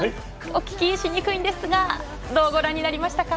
お聞きしにくいんですがどうご覧になりましたか？